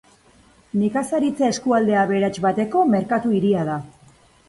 Nekazaritza-eskualde aberats bateko merkatu-hiria da.